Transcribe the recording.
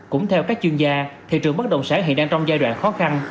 cũng theo các chuyên gia thị trường bất động sản hiện đang trong giai đoạn khó khăn